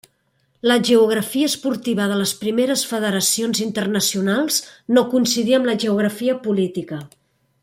La geografia esportiva de les primeres federacions internacionals no coincidia amb la geografia política.